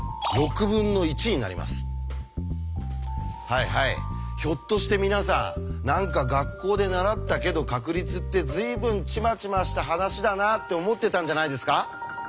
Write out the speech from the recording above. はいはいひょっとして皆さん何か学校で習ったけど確率って随分ちまちました話だなって思ってたんじゃないですか？